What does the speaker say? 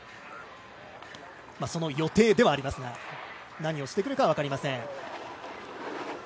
その予定ではありますが何をしてくるか分かりません。